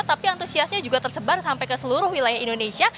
tapi antusiasnya juga tersebar sampai ke seluruh wilayah indonesia